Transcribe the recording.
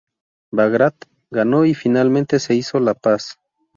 Bagrat ganó y, finalmente, se hizo la paz.